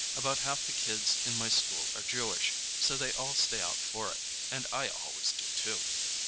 About half the kids in my school are Jewish, so they all stay out for it, and I always do too.